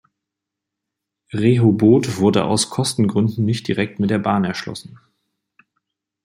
Rehoboth wurde aus Kostengründen nicht direkt mit der Bahn erschlossen.